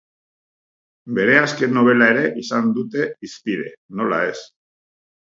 Bere azken nobela ere izan dute hizpide, nola ez.